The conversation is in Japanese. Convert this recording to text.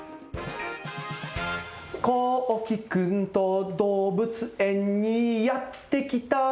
「こうきくんとどうぶつえんにやってきた」